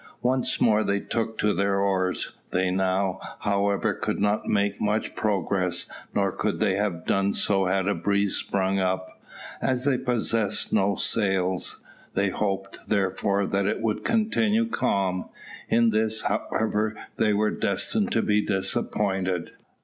Once more they took to their oars. They now, however, could not make much progress, nor could they have done so had a breeze sprung up, as they possessed no sails. They hoped, therefore, that it would continue calm. In this, however, they were destined to be disappointed.